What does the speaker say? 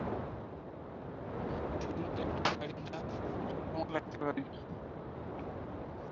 শুধুমাত্র একটা ছোট আইটেম যা রেকর্ডের জন্য তোমার লাগতে পারে।